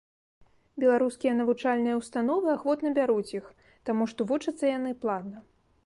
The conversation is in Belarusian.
Беларускія навучальныя ўстановы ахвотна бяруць іх, таму што вучацца яны платна.